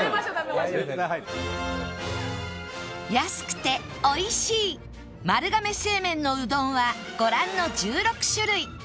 安くて美味しい丸亀製麺のうどんはご覧の１６種類